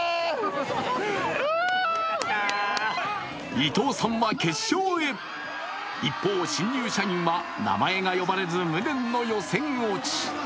伊藤さんは決勝へ、一方、新入社員は名前が呼ばれず無念の予選落ち。